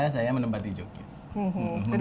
saya menempat di yogyakarta